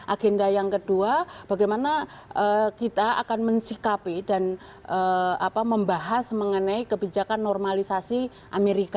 agenda yang kedua bagaimana kita akan mencikapi dan membahas mengenai kebijakan normalisasi amerika